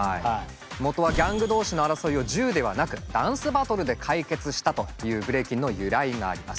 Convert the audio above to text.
元はギャング同士の争いを銃ではなくダンスバトルで解決したというブレイキンの由来があります。